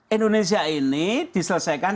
indonesia ini diselesaikan